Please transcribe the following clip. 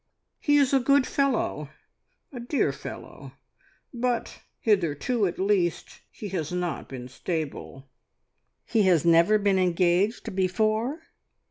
He is a good fellow, a dear fellow, but, hitherto at least, he has not been stable." "He has never been engaged before?"